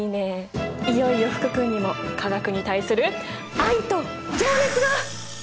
いよいよ福君にも化学に対する愛と情熱が。